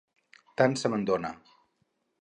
Tant se me'n dona.